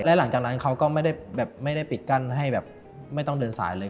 และหลังจากนั้นเขาก็ไม่ได้แบบไม่ได้ปิดกั้นให้แบบไม่ต้องเดินสายเลย